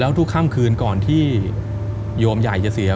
ทุกค่ำคืนก่อนที่โยมใหญ่จะเสีย